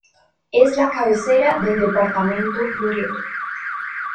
Es la cabecera del departamento Loreto.